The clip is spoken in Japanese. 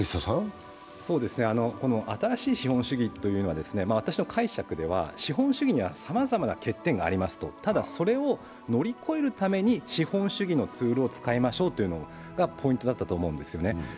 新しい資本主義というのは私の解釈では資本主義にはさまざまな欠点がありますと、ただそれを乗り越えるために資本しゅぎのツールを使いましょうというのがポイントだったと思うんですよね。